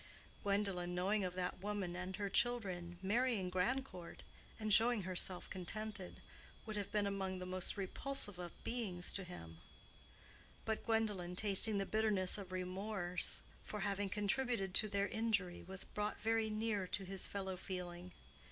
Gwendolen knowing of that woman and her children, marrying Grandcourt, and showing herself contented, would have been among the most repulsive of beings to him; but Gwendolen tasting the bitterness of remorse for having contributed to their injury was brought very near to his fellow feeling.